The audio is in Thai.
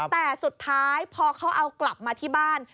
แต่สุดท้ายพอเขาเอากลับมาที่บ้าน